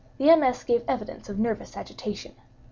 The MS. gave evidence of nervous agitation.